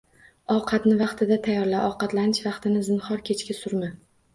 Ovqatni vaqtida tayyorla, ovqatlanish vaqtini zinhor kechga surma.